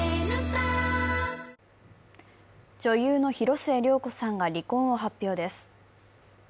女優の広末涼子さんが離婚を発表です。